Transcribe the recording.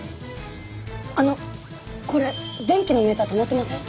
あのこれ電気のメーター止まってません？